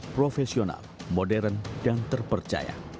profesional modern dan terpercaya